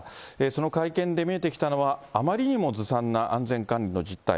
その会見で見えてきたのは、あまりにもずさんな安全管理の実態。